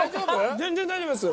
全然大丈夫です。